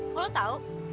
kok lo tau